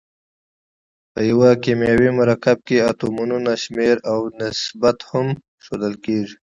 په یو کیمیاوي مرکب کې اتومونو شمیر او نسبت هم ښودل کیږي.